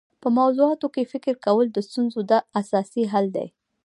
په موضوعاتو کي فکر کول د ستونزو اساسي حل دی.